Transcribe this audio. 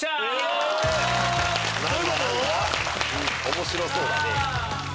面白そうだね。